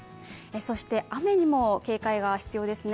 そして、雨にも警戒が必要ですね。